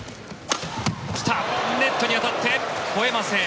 ネットに当たって越えません。